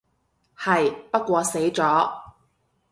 係，不過死咗